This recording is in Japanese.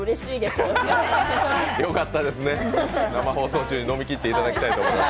よかったですね、生放送仲に飲みきっていただきたいと思います。